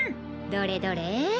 どれどれ